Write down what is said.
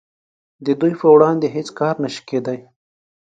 د دوی په وړاندې هیڅ کار نشي کیدای